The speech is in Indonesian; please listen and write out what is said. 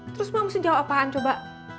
terus mak mesti jauh apaan coba